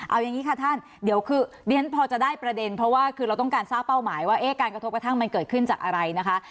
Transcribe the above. เอาอย่างนี้ค่ะท่านเดี๋ยวคือเรียนพอจะได้ประเด็นเพราะว่าคือเราต้องการทราบเป้าหมายว่าการกระทบกระทั่งมันเกิดขึ้นจากอะไรนะคะ